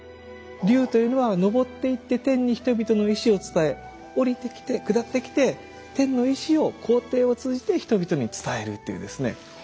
龍というのは昇っていって天に人々の意思を伝え下りてきて下ってきて天の意思を皇帝を通じて人々に伝えるっていうですね。